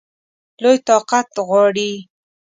لوی طاقت غواړي.